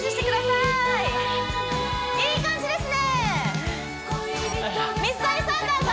いい感じですよ